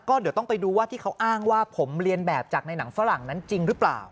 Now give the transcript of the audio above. ก็เดี๋ยวต้องไปดูว่าที่เขาอ้างว่าผมเรียนแบบจากในหนังฝรั่งนั้นจริงหรือเปล่า